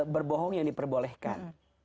berbohong yang diperbolehkan